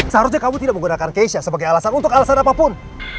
seharusnya kamu tidak menggunakan keisha sebagai alasan untuk alasan apapun